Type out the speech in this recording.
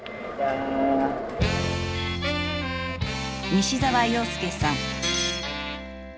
西澤陽介さん。